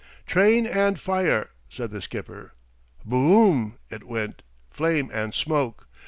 "Train and fire," said the skipper. Bo o m! it went, flame and smoke.